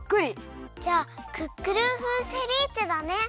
じゃあクックルン風セビーチェだね。